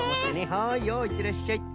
はいよいってらっしゃい。